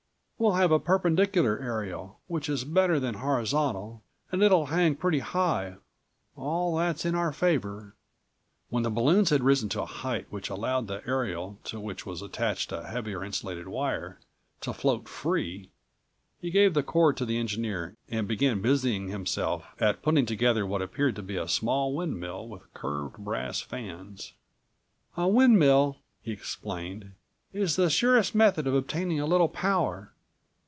We'll have a perpendicular aerial, which is better than horizontal, and it'll hang pretty high. All that's in our favor." When the balloons had risen to a height which allowed the aerial, to which was attached a heavier insulated wire, to float free, he gave the cord to the engineer and began busying himself at putting together what appeared to be a small windmill with curved, brass fans. "A windmill," he explained, "is the surest method of obtaining a little power.